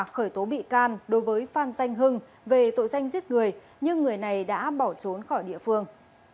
khởi tố bị can đối với phan danh hưng về tội danh giết người nhưng người này đã bỏ trốn khỏi địa phương